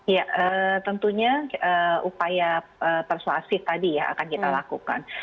ya tentunya upaya persuasif tadi ya akan kita lakukan